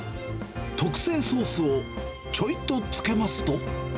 特製ソースをちょいとつけますと。